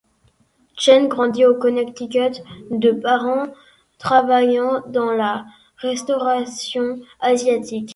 Chen grandit au Connecticut, de parents travaillant dans la restauration asiatique.